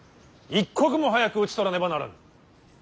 一刻も早く討ち取らねばならぬ。